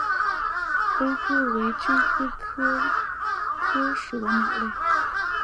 欧鸽为鸠鸽科鸽属的鸟类。